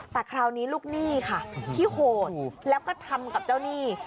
แต่คราวนี้ลูกหนี้ค่ะที่โหดแล้วก็ทำกับเจ้าหนี้